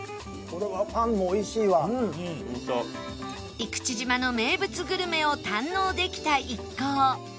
生口島の名物グルメを堪能できた一行